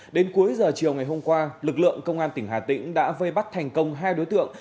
đến cuối giờ chiều ngày hôm qua lực lượng công an tỉnh hà tĩnh đã vây bắt thành công hai đối tượng